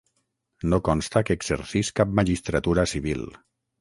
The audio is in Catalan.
No consta que exercís cap magistratura civil.